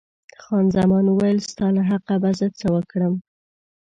خان زمان وویل، ستا له حقه به زه څه وکړم.